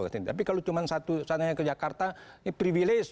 tapi kalau cuma satunya ke jakarta ini privilege